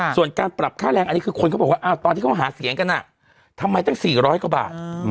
ส่วนการปรับค่าแรงอันนี้คือคนเขาบอกว่าตอนที่เขาหาเสียงกันทำไมตั้ง๔๐๐กว่าบาท